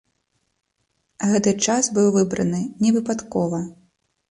Гэты час быў выбраны не выпадкова.